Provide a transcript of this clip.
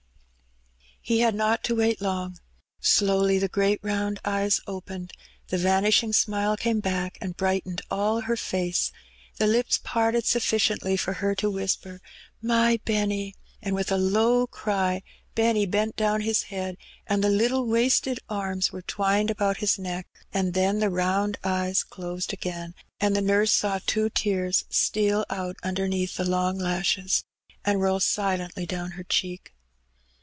He had not to wait long. Slowly the great round eyes opened, the Tanishing smile came back and brightened all her face, the lips parted snfiScieutly for her to whisper "My Benny.'* And with a low cry Benny bent down his bead, and the little wasted arms were twined about bis neck, and then the round eyes closed 120 Heb Benny. again^ and the nurse saw two tears steal out underneath the long lashes, and roll silently down her cheek.